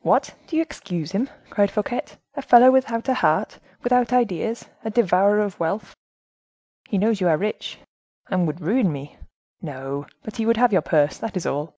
"What, do you excuse him?" cried Fouquet; "a fellow without a heart, without ideas; a devourer of wealth." "He knows you are rich." "And would ruin me." "No, but he would have your purse. That is all."